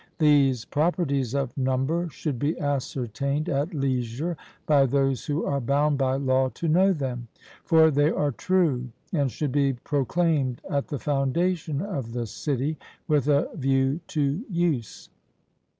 These properties of number should be ascertained at leisure by those who are bound by law to know them; for they are true, and should be proclaimed at the foundation of the city, with a view to use.